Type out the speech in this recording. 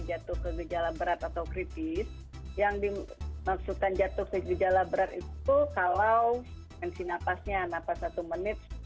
jatuh ke gejala berat atau kritis yang dimaksudkan jatuh ke gejala berat itu kalau tensi napasnya nafas satu menit